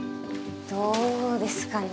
どうですかね。